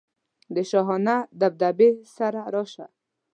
د شاهانه دبدبې سره راشه.